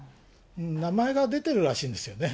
名前が出てるらしいんですよね。